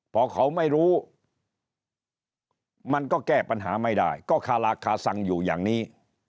พอเขาไม่รู้มันก็แก้ปัญหาไม่ได้ก็คาราคาซังอยู่อย่างนี้